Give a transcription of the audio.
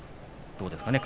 どうですかね？